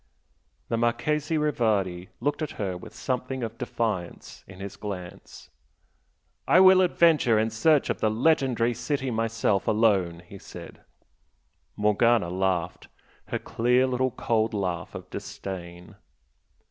The Marchese Rivardi looked at her with something of defiance in his glance. "I will adventure in search of the legendary city myself, alone!" he said. Morgana laughed, her clear little cold laugh of disdain.